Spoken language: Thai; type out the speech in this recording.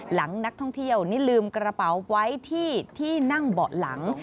หลังนักท่องเที่ยวนี่ลืมกระเป๋าไว้ที่ที่นั่งเบาะหลัง